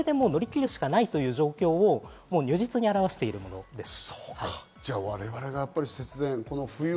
それで乗り切るしかないという状況を如実に表しているんです。